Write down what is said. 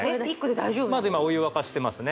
まず今お湯沸かしてますね